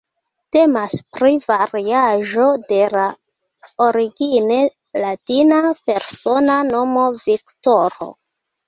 Temas pri variaĵo de la origine latina persona nomo "Viktoro".